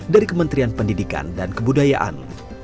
dari kementerian pendidikan dan kebudayaan